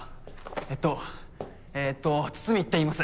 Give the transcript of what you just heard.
えっとえっと筒見って言います。